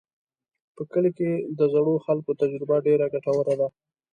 په کلي کې د زړو خلکو تجربه ډېره ګټوره ده.